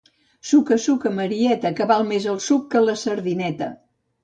Suca, suca, Marieta, que val més el suc que la sardineta.